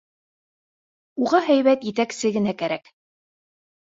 Уға һәйбәт етәксе генә кәрәк.